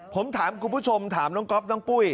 ผมถามคุณผู้ชมถามน้องก๊อฟน้องปุ้ย